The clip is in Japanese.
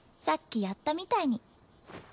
さっきやったみたいに。